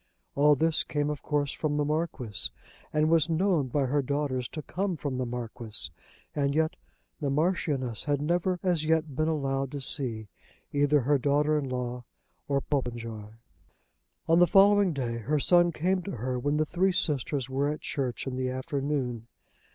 All this came of course from the Marquis, and was known by her daughters to come from the Marquis; and yet the Marchioness had never as yet been allowed to see either her daughter in law or Popenjoy. On the following day her son came to her when the three sisters were at church in the afternoon.